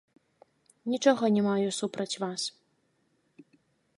Нічога не маю супраць вас.